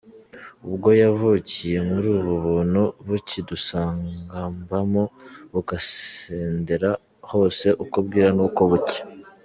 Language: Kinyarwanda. Ubwo yavukiye muri ubu buntu bukidusagambamo bugasendera hose uko bwira n’uko bucya.